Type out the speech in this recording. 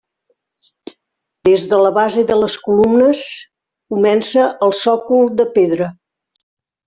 Des de la base de les columnes comença el sòcol de pedra.